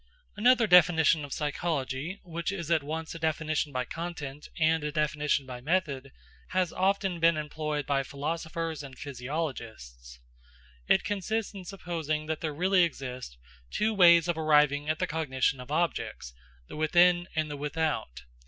Another definition of psychology, which is at once a definition by content and a definition by method, has often been employed by philosophers and physiologists. It consists in supposing that there really exist two ways of arriving at the cognition of objects: the within and the without.